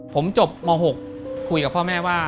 ผมจบม๖คุยกับพ่อแม่ว่า